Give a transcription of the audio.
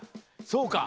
そうか。